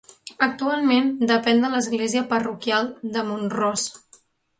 Actualment depèn de l'església parroquial de Mont-ros.